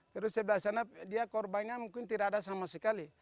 terus sebelah sana dia korbannya mungkin tidak ada sama sekali